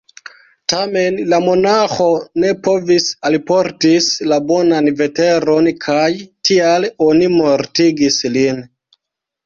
Tamen la monaĥo ne povis alportis la bonan veteron kaj tial oni mortigis lin.